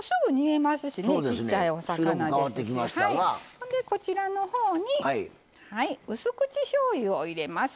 ほんでこちらの方にうす口しょうゆを入れます。